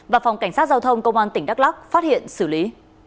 và phòng cảnh sát giao thông công an tỉnh đắk lắc phát hiện xử lý